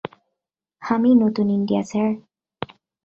আমিই নতুন India, sir.